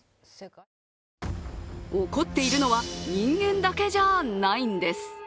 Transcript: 怒っているのは人間だけじゃないんです。